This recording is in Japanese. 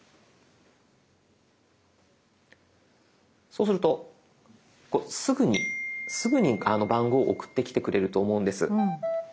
そうするとすぐに番号送ってきてくれると思うんです。